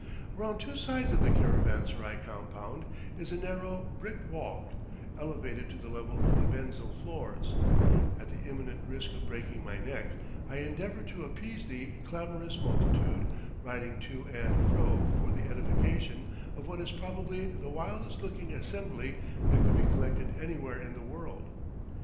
Around two sides of the caravanserai compound is a narrow, bricked walk, elevated to the level of the menzil floors; at the imminent risk of breaking my neck, I endeavor to appease the clamorous multitude, riding to and fro for the edification of what is probably the wildest looking assembly that could be collected anywhere in the world.